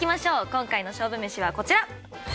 今回の勝負めしはこちら。